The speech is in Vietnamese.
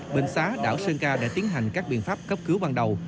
bệnh xã đảo sơn ca đã tiến hành các biện pháp cấp cứu ban đầu